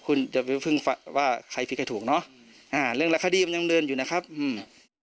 คุณจะไปพึ่งว่าใครผิดใครถูกเนอะอ่าเรื่องละคดีมันยังเดินอยู่นะครับอืม